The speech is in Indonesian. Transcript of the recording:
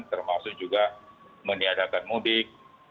termasuk juga meniadakan mudik